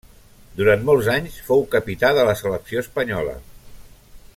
Durant molts anys fou capità de la selecció espanyola.